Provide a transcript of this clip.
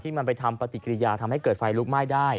มันไปทำปฏิกิริยาทำให้เกิดไฟลุกไหม้ได้